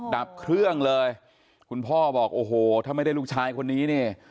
ดับเครื่องเลยคุณพ่อบอกโอ้โหถ้าไม่ได้ลูกชายคนนี้เนี่ย